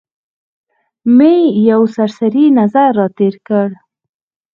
مې یو سرسري نظر را تېر کړ.